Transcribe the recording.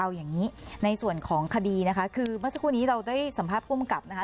เอาอย่างนี้ในส่วนของคดีนะคะคือเมื่อสักครู่นี้เราได้สัมภาษณภูมิกับนะคะ